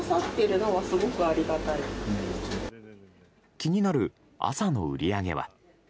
気になる朝の売り上げは。